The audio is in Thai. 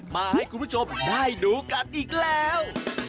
มาให้คุณผู้ชมได้ดูกันอีกแล้ว